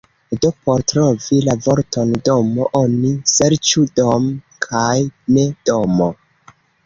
Do por trovi la vorton "domo", oni serĉu "dom" kaj ne "domo".